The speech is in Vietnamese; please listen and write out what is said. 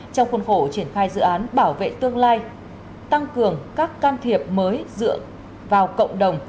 trong khuôn khổ triển khai dự án bảo vệ tương lai tăng cường các can thiệp mới dựa vào cộng đồng